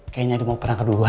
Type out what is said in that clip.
kayaknya dia mau perang kedua